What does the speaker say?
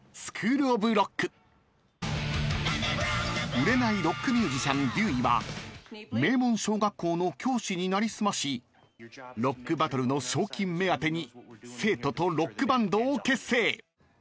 ［売れないロックミュージシャンデューイは名門小学校の教師になりすましロックバトルの賞金目当てに生徒とロックバンドを結成］